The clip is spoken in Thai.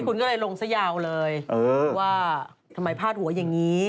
คุณก็เลยลงซะยาวเลยว่าทำไมพาดหัวอย่างนี้